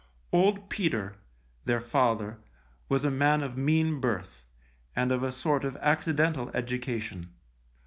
Old Peter, their father, was a man of mean birth, and of a sort of accidental education.